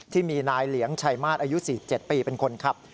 ที่มีนายเหลียงชัยมาสอายุ๔๗ปีเป็นคนขับ